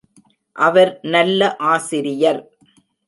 அவர் நல்ல ஆசிரியர்.